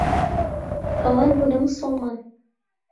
ئەوان بوونە موسڵمان.